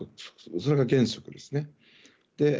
それが原則ですね。